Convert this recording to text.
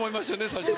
最初。